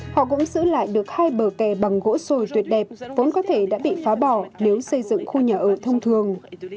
họ cũng giữ lại được hai bờ kè bằng gỗ sồi tuyệt đẹp vốn có thể đã bị phá bỏ nếu xây dựng khu nhà ở thông thường